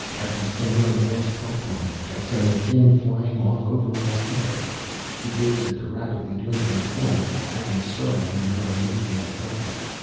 I'd be standing on the glass platform, I guess. And the thing flying off over my head!" He gazed at the rapidly dwindling forms of Agnes Sterling and her amazing abductor.